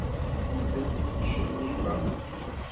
Ur tent-ttcellifeɣ.